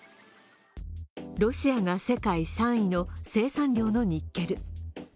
ロシアが世界３位の生産量のニッケル。